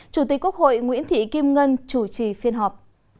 chủ tịch quốc hội nguyễn thị kim ngân chủ trì phiên họp